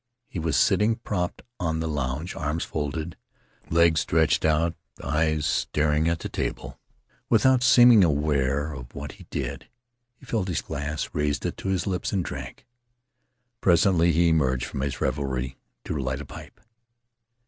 He was sitting propped on the lounge, arms folded, legs stretched out, eyes staring at the table. Without seeming aware of what he did, he filled his glass, raised it to his lips, and dranke Presently he emerged from his revery to light a pipe.